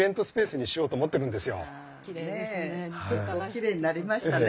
きれいになりましたね。